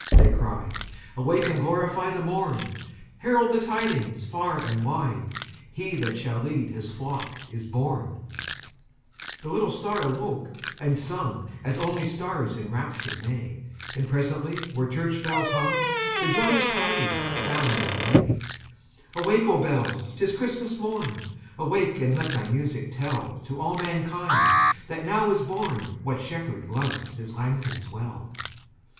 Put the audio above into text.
they cried. "Awake and glorify the morn! Herald the tidings far and wide He that shall lead His flock is born!" The little star awoke and sung As only stars in rapture may, And presently where church bells hung The joyous tidings found their way. [Illustration: Share thou this holy time with me, The universal hymn of love. ] "Awake, O bells! 't is Christmas morn Awake and let thy music tell To all mankind that now is born What Shepherd loves His lambkins well!"